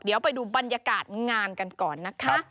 เดี๋ยวไปดูบรรยากาศงานกันก่อนนะคะ